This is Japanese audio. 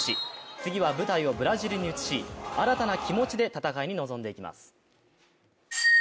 次は舞台をブラジルに移し新たな気持ちで戦いに臨んでいきます。